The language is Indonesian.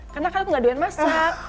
karena kan aku gak duain masak